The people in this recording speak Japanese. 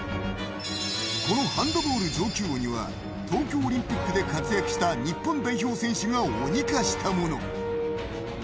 このハンドボール上級鬼は東京オリンピックで活躍した日本代表選手が鬼化したもの。